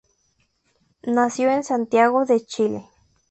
Nació en Santiago de Chile.